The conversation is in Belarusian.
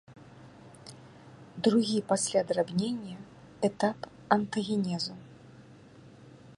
Другі пасля драбнення этап антагенезу.